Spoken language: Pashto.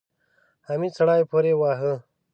حميد سړی پورې واهه.